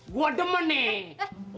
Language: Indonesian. gua demen nih